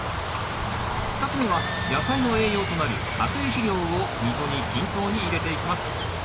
２つ目は野菜の栄養となる化成肥料を溝に均等に入れていきます。